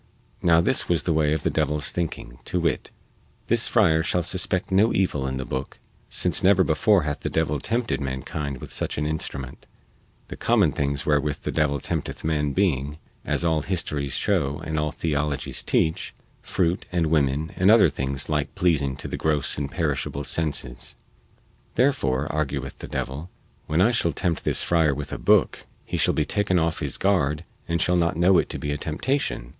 Now this was the way of the devil's thinking, to wit: This friar shall suspect no evil in the booke, since never before hath the devil tempted mankind with such an instrument, the common things wherewith the devil tempteth man being (as all histories show and all theologies teach) fruit and women and other like things pleasing to the gross and perishable senses. Therefore, argueth the devil, when I shall tempt this friar with a booke he shall be taken off his guard and shall not know it to be a temptation.